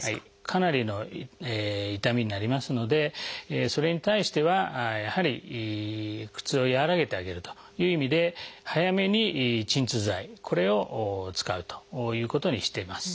かなりの痛みになりますのでそれに対してはやはり苦痛を和らげてあげるという意味で早めに鎮痛剤これを使うということにしています。